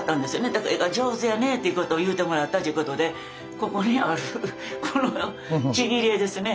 だから「絵が上手やね」っていうことを言うてもらったっちゅうことでここにあるこのちぎり絵ですね。